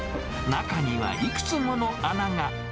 中にはいくつもの穴が。